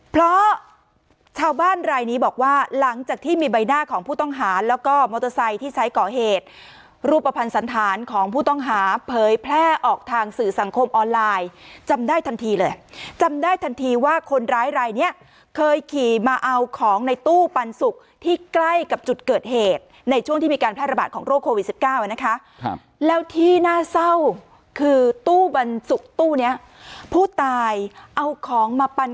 เพราะชาวบ้านรายนี้บอกว่าหลังจากที่มีใบหน้าของผู้ต้องหารแล้วก็มอเตอร์ไซค์ที่ใช้ก่อเหตุรูปประพันธ์สันฐานของผู้ต้องหาเผยแพร่ออกทางสื่อสังคมออนไลน์จำได้ทันทีเลยจำได้ทันทีว่าคนร้ายรายเนี่ยเคยขี่มาเอาของในตู้ปันสุกที่ใกล้กับจุดเกิดเหตุในช่วงที่มีการแพร่ระบาดของโรคโควิด๑๙